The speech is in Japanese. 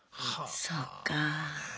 そっか。